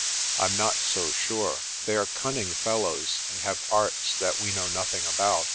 "I'm not so sure. They are cunning fellows, and have arts that we know nothing about.